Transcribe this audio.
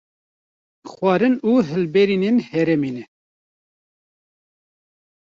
Xwarin û hilberînên herêmê ne